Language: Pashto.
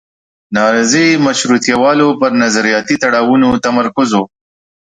نارضي مشروطیه والو پر نظریاتي تړاوونو تمرکز و.